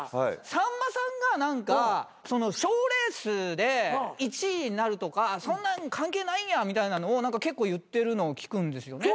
さんまさんが「賞レースで１位になるとかそんなん関係ないんや」みたいなのを結構言ってるのを聞くんですよね。